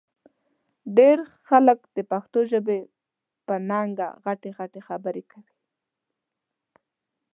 ډېر خلک د پښتو ژبې په ننګه غټې غټې خبرې کوي